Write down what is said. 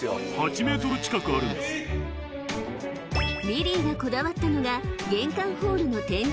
［ビリーがこだわったのが玄関ホールの天井の高さ］